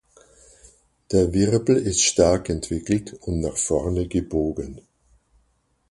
Der Wirbel ist stark entwickelt und nach vorne gebogen.